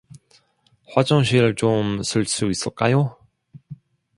화장실 좀 쓸 수 있을까요?